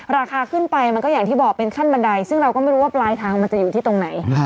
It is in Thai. ราคาขึ้นไปมันก็อย่างที่บอกเป็นขั้นบันไดซึ่งเราก็ไม่รู้ว่าปลายทางมันจะอยู่ที่ตรงไหน